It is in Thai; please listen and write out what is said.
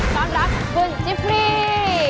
สวัสดีครับคุณจิปรี